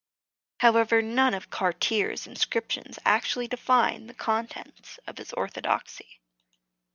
However, none of Kartir's inscriptions actually define the contents of his orthodoxy.